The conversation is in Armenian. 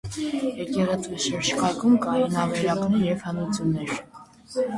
Եկեղեցու շրջկայքում կային ավերակներ և հնություններ։